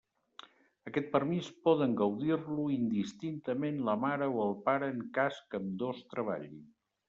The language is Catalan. Aquest permís poden gaudir-lo indistintament la mare o el pare en cas que ambdós treballin.